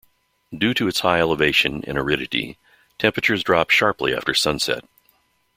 Due to its high elevation and aridity, temperatures drop sharply after sunset.